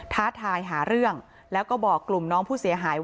ท้าทายหาเรื่องแล้วก็บอกกลุ่มน้องผู้เสียหายว่า